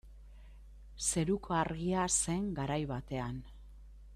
Zeruko Argia zen garai batean.